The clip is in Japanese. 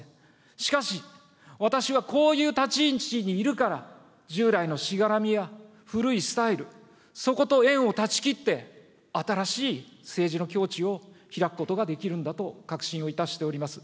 しかし、私はこういう立ち位置にいるから、従来のしがらみや古いスタイル、そこと縁を断ち切って、新しい政治の境地を開くことができるんだと確信をいたしております。